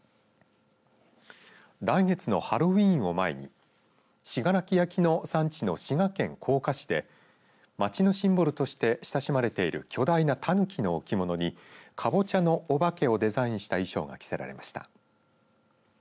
来月のハロウィーンを前に信楽焼の産地の滋賀県甲賀市で街のシンボルとして親しまれている巨大なたぬきの置物にかぼちゃのお化けをデザインした衣装が着せられました。